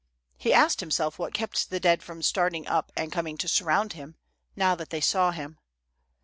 lie asked himself what kept the dead from starting up and coming to surround him, now that they saw him.